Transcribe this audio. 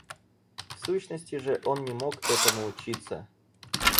В сущности же он не мог этому учиться.